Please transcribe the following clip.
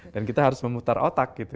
dan kita harus memutar otak gitu